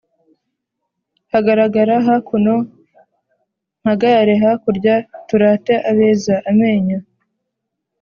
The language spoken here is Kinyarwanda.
Hagarara hakuno, mpagarare hakurya turate abeza :Amenyo